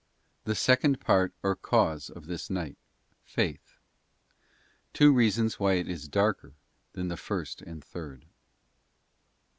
The second part, or cause of this night—Faith. Two reasons why it is darker than the first and third.